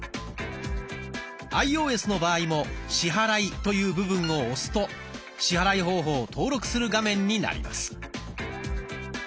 アイオーエスの場合も「支払い」という部分を押すと支払い方法を登録する画面になります。